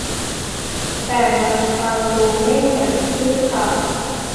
แต่มันฟังดูไม่เหมือนชื่อศาสตร์